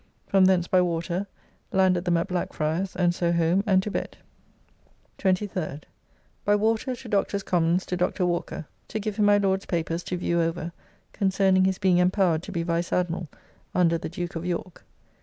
From thence by water, landed them at Blackfriars, and so home and to bed. 23rd. By water to Doctors' Commons to Dr. Walker, to give him my Lord's papers to view over concerning his being empowered to be Vice Admiral under the Duke of York.